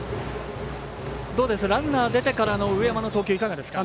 ランナー出てからの上山の投球いかがですか？